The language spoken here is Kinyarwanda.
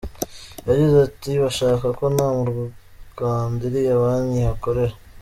Yagize ati “ Bashaka ko no mu Rwanda iriya banki ihakorera.